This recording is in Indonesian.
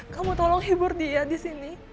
kamu tolong hibur dia disini